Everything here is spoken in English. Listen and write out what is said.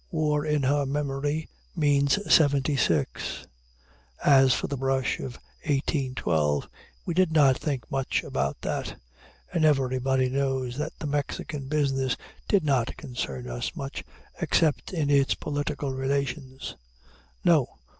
War in her memory means '76. As for the brush of 1812, "we did not think much about that"; and everybody knows that the Mexican business did not concern us much, except in its political relations. No!